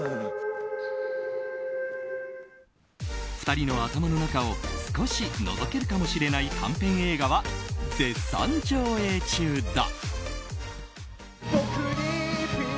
２人の頭の中を少しのぞけるかもしれない短編映画は絶賛上映中だ。